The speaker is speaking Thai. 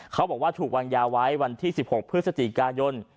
เขาบอกว่าถูกวางยาไว้วันที่๑๖พฤศจิกายน